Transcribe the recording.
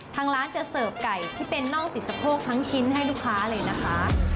ทางร้านจะเสิร์ฟไก่ที่เป็นน่องติดสะโพกทั้งชิ้นให้ลูกค้าเลยนะคะ